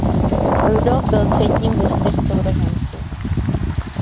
Rudolf byl třetím ze čtyř sourozenců.